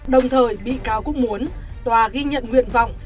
đồng thời bị cáo cũng muốn tòa ghi nhận nguyện vọng